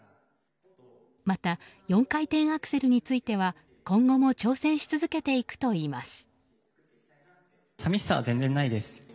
また４回転アクセルについては今後も挑戦し続けていくといいます。